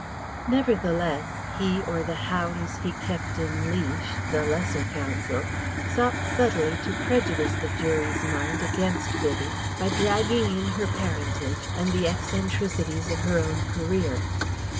Nevertheless he or the hounds he kept in leash, the lesser counsel, sought subtly to prejudice the jury's mind against Vivie by dragging in her parentage and the eccentricities of her own career.